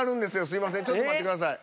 すいませんちょっと待ってください。